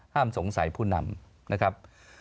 สงสัยผู้นำนะครับ